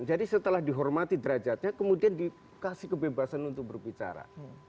jadi setelah dihormati derajatnya kemudian dikasih kebebasan untuk berbicara